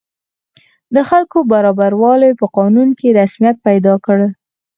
د خلکو برابروالی په قانون کې رسمیت پیدا کړ.